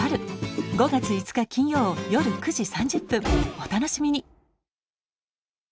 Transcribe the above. お楽しみに！